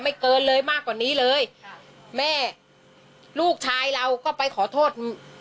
เกินเลยมากกว่านี้เลยค่ะแม่ลูกชายเราก็ไปขอโทษ